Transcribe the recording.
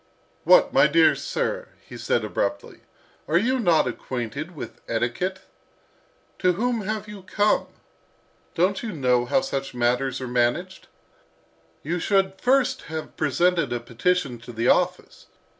"What, my dear sir!" he said abruptly, "are you not acquainted with etiquette? To whom have you come? Don't you know how such matters are managed? You should first have presented a petition to the office.